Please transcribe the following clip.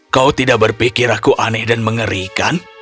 kau tidak berpikir aku aneh dan mengerikan